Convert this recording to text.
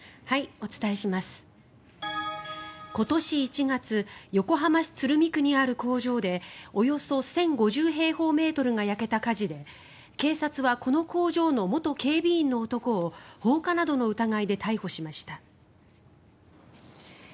今年１月横浜市鶴見区にある工場でおよそ１０５０平方メートルが焼けた火事で警察はこの工場の元警備員の男を放火などの疑いで逮捕しました。